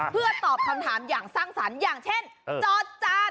เพื่อตอบคำถามอย่างสร้างสรรค์อย่างเช่นจอดจาน